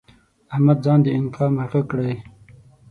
احمد ځان د انقا مرغه کړی؛